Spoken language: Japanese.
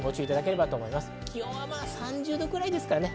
気温は３０度くらいですかね。